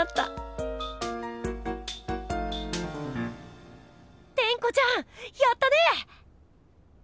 心の声テンコちゃんやったね！